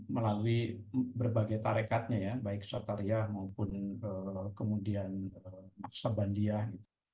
melalui berbagai tarikatnya ya baik sotariah maupun kemudian maksab bandiah